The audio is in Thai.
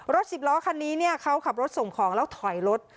สิบล้อคันนี้เนี่ยเขาขับรถส่งของแล้วถอยรถ